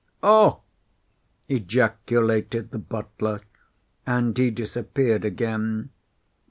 "Oh!" ejaculated the butler, and he disappeared again.